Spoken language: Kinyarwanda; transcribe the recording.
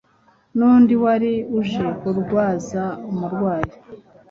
nundi wari uje kurwaza umurwayi